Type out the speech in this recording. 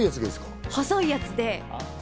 細いやつですか？